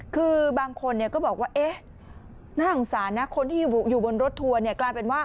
คือบางคนก็บอกว่าน่าสงสารนะคนที่อยู่บนรถทัวร์กลายเป็นว่า